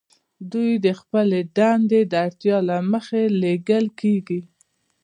دوی د خپلې دندې د اړتیا له مخې لیږل کیږي